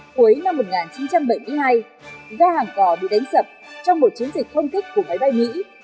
cuối năm một nghìn chín trăm bảy mươi hai gà hàng cỏ bị đánh sập trong một chiến dịch không thích của máy bay mỹ